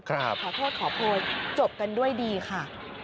ขอโทษขอโพยจบกันด้วยดีค่ะ